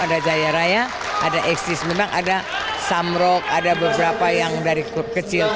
ada jaya raya ada eksis minang ada samrok ada beberapa yang dari klub kecil